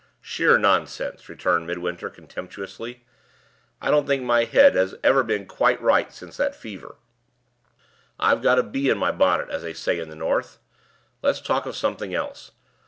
"Sheer nonsense!" returned Midwinter, contemptuously. "I don't think my head has ever been quite right since that fever; I've got a bee in my bonnet, as they say in the North. Let's talk of something else.